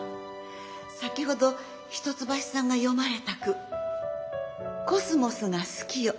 先ほど一橋さんが詠まれた句「秋桜が好きよ